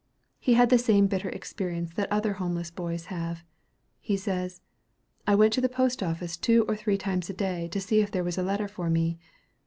He had the same bitter experience that other homeless boys have. He says, "I went to the post office two or three times a day to see if there was a letter for me.